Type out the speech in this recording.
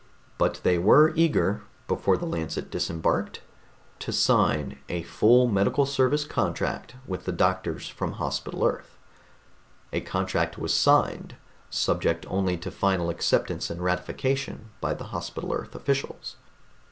But they were eager, before the Lancet disembarked, to sign a full medical service contract with the doctors from Hospital Earth. A contract was signed, subject only to final acceptance and ratification by the Hospital Earth officials.